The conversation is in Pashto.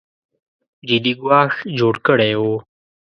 جدي ګواښ جوړ کړی و